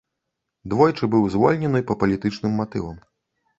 Двойчы быў звольнены па палітычным матывам.